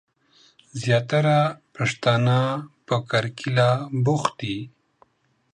زياتره پښتنه په کرکيله بوخت دي.